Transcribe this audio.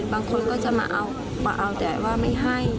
บางคนก็จะมาเอามาเอาแต่ว่าไม่ให้